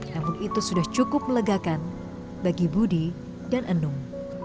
namun itu sudah cukup melegakan bagi budi dan enung